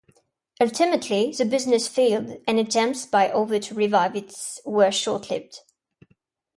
Ultimately, the business failed, and attempts by other to revive it were short-lived.